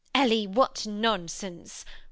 Ellie! What nonsense! Where?